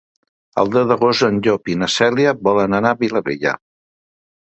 El deu d'agost en Llop i na Cèlia volen anar a la Vilavella.